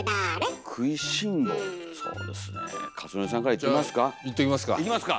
そうですね克典さんからいってみますか。